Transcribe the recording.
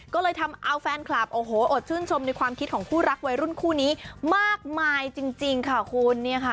ก็เลยทำเอาแฟนคลับโอ้โหอดชื่นชมในความคิดของคู่รักวัยรุ่นคู่นี้มากมายจริงค่ะคุณเนี่ยค่ะ